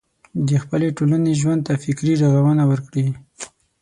د خپلې ټولنې ژوند ته فکري روغونه ورکړي.